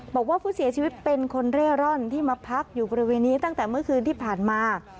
บอกว่าผู้เสียชีวิตเป็นคนเร่ร่อนที่มาพักอยู่บริเวณนี้ตั้งแต่เมื่อคืนที่ผ่านมา